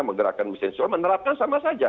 menggerakkan mesin soal menerapkan sama saja